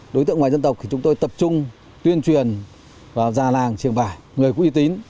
đối tượng ngoài dân tộc thì chúng tôi tập trung tuyên truyền vào già làng trường vải người quý tín